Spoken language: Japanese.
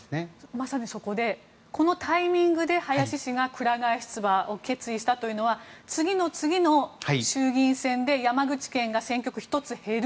まさにそこでこのタイミングで林氏がくら替え出馬を決意したというのは次の次の衆議院選で山口県が選挙区が１つ減る。